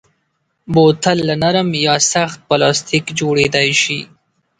بوتل له نرم یا سخت پلاستیک جوړېدای شي.